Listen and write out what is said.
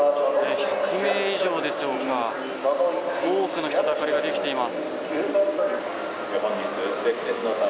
１００名以上でしょうか多くの人だかりができています。